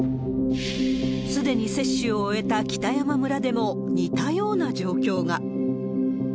すでに接種を終えた北山村でも、似たような状況が。